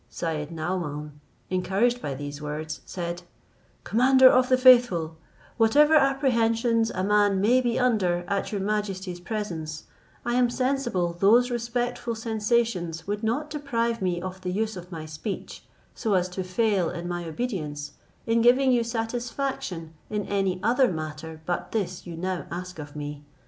Syed Naomaun, encouraged by these words, said, "Commander of the faithful, whatever apprehensions a man may be under at your majesty's presence, I am sensible those respectful sensations would not deprive me of the use of my speech, so as to fail in my obedience, in giving you satisfaction in any other matter but this you now ask of me.